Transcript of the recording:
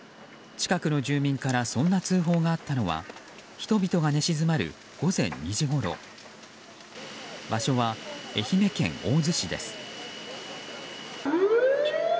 近くの住民からそんな通報があったのは人々が寝静まる午前２時ごろ場所は愛媛県大洲市です。